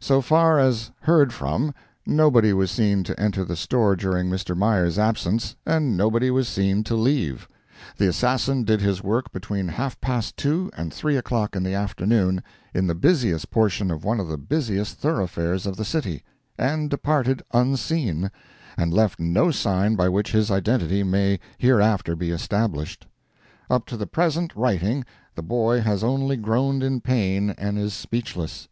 So far as heard from, nobody was seen to enter the store during Mr. Meyer's absence, and nobody was seen to leave. The assassin did his work between half past two and three o'clock in the afternoon, in the busiest portion of one of the busiest thoroughfares of the city, and departed unseen, and left no sign by which his identity may hereafter be established. Up to the present writing the boy has only groaned in pain and is speechless.